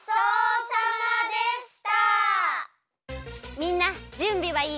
みんなじゅんびはいい？